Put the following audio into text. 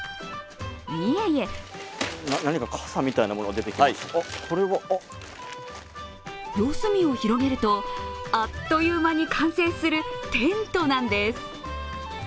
いえいえ四隅を広げるとあっという間に完成するテントなんです。